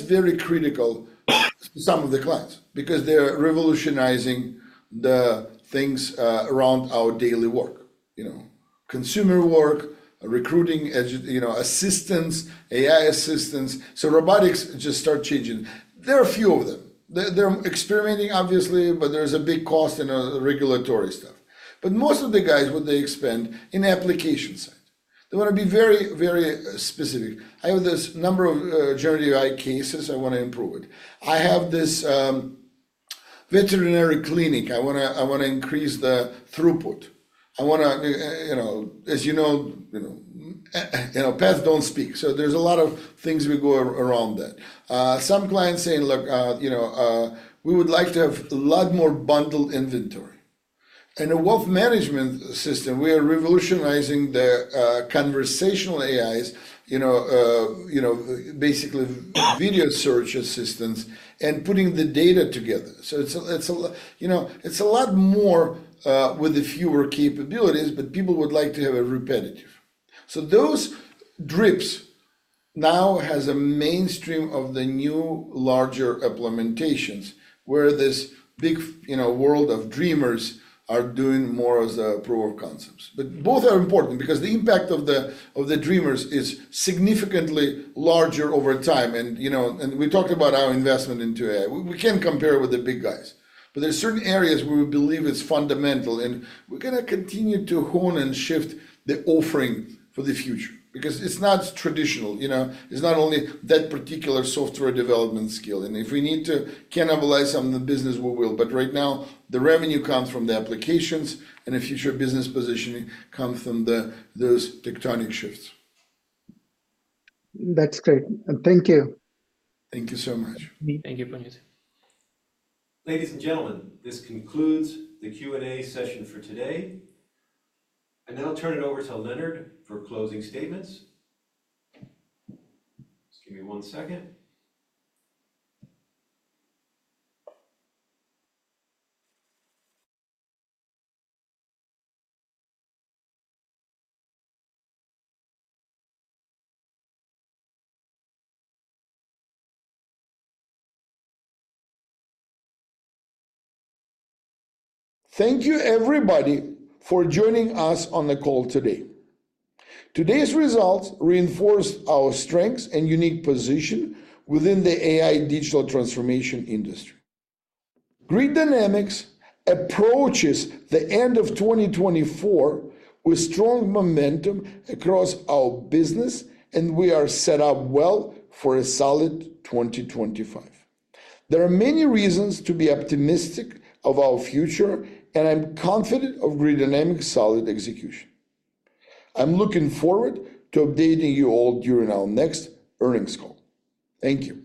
very critical to some of the clients because they're revolutionizing the things around our daily work: consumer work, recruiting, assistance, AI assistance. So, robotics just start changing. There are a few of them. They're experimenting, obviously, but there's a big cost and regulatory stuff. But most of the guys, what they spend in application side. They want to be very, very specific. I have this number of generative AI cases. I want to improve it. I have this veterinary clinic. I want to increase the throughput. I want to, as you know, pets don't speak. So, there's a lot of things we go around that. Some clients saying, "Look, we would like to have a lot more bundled inventory." And a wealth management system, we are revolutionizing the conversational AIs, basically voice search assistance, and putting the data together. So, it's a lot more with the fewer capabilities, but people would like to have a repetitive. So, those drips now have a mainstream of the new larger implementations where this big world of dreamers are doing more of the proof of concepts. But both are important because the impact of the dreamers is significantly larger over time. And we talked about our investment into AI. We can't compare with the big guys. But there are certain areas where we believe it's fundamental. And we're going to continue to hone and shift the offering for the future because it's not traditional. It's not only that particular software development skill. And if we need to cannibalize some of the business, we will. But right now, the revenue comes from the applications, and the future business positioning comes from those tectonic shifts. That's great. Thank you. Thank you so much. Thank you, Puneet. Ladies and gentlemen, this concludes the Q&A session for today. And now I'll turn it over to Leonard for closing statements. Just give me one second. Thank you, everybody, for joining us on the call today. Today's results reinforce our strengths and unique position within the AI digital transformation industry. Grid Dynamics approaches the end of 2024 with strong momentum across our business, and we are set up well for a solid 2025. There are many reasons to be optimistic about our future, and I'm confident of Grid Dynamics' solid execution. I'm looking forward to updating you all during our next earnings call. Thank you.